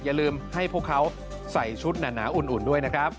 อย่าลืมให้พวกเขาใส่ชุดหนาอุ่นด้วยนะครับ